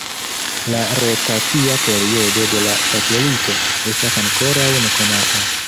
La rotacia periodo de la satelito estas ankoraŭ nekonata.